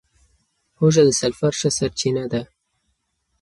هوږه د سلفر ښه سرچینه ده.